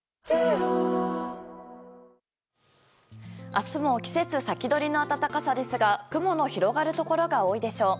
明日も季節先取りの暖かさですが雲の広がるところが多いでしょう。